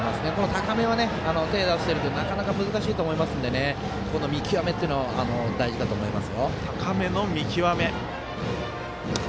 高めは手を出すのはなかなか難しいと思いますのでこの見極めは大事だと思います。